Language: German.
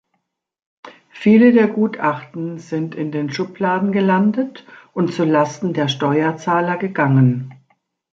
Viele der Gutachten sind in den Schubladen gelandet und zu Lasten der Steuerzahler gegangen.